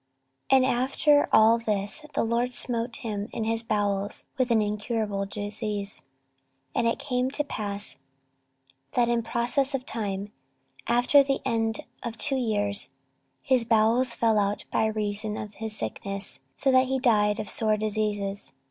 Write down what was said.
14:021:018 And after all this the LORD smote him in his bowels with an incurable disease. 14:021:019 And it came to pass, that in process of time, after the end of two years, his bowels fell out by reason of his sickness: so he died of sore diseases.